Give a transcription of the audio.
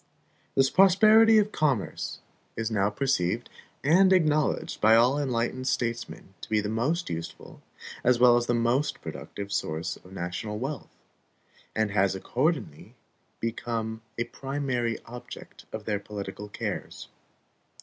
The prosperity of commerce is now perceived and acknowledged by all enlightened statesmen to be the most useful as well as the most productive source of national wealth, and has accordingly become a primary object of their political cares.